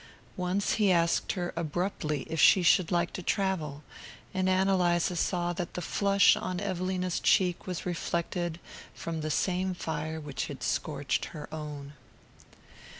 Once he asked her abruptly if she should like to travel, and Ann Eliza saw that the flush on Evelina's cheek was reflected from the same fire which had scorched her own.